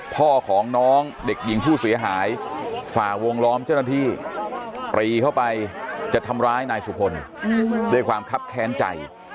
พ่อของน้องเด็กหญิงผู้เสียหายฝ่าวงล้อมเจ้าหน้าที่ปรีเข้าไปจะทำร้ายนายสุพลด้วยความคับแค้นใจ